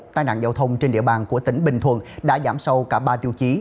tai nạn giao thông trên địa bàn của tỉnh bình thuận đã giảm sâu cả ba tiêu chí